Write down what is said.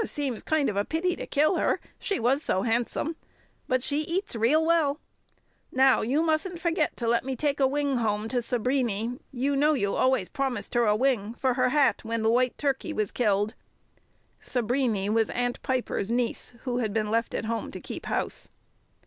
Seems kind of a pity to kill her, she was so handsome. But she eats real well. Now, you mustn't forget to let me take a wing home to Sabriny. You know you always promised her a wing for her hat when the white turkey was killed." Sabriny was Aunt Piper's niece, who had been left at home to keep house.